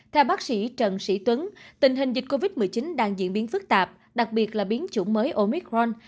theo bác sĩ trần sĩ tuấn tình hình dịch covid một mươi chín đang diễn biến phức tạp đặc biệt là biến chủng mới omic ron